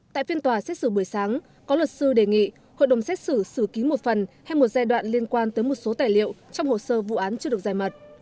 tại phiên tòa xét xử buổi sáng có luật sư đề nghị hội đồng xét xử xử ký một phần hay một giai đoạn liên quan tới một số tài liệu trong hồ sơ vụ án chưa được giải mật